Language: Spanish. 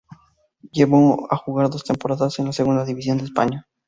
Llegó a jugar dos temporadas en la Segunda División de España.